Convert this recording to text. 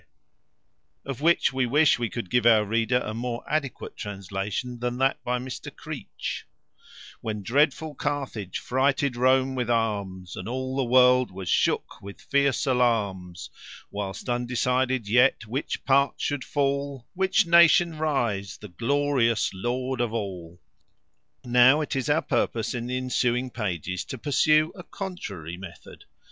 _ Of which we wish we could give our readers a more adequate translation than that by Mr Creech When dreadful Carthage frighted Rome with arms, And all the world was shook with fierce alarms; Whilst undecided yet, which part should fall, Which nation rise the glorious lord of all. Now it is our purpose, in the ensuing pages, to pursue a contrary method.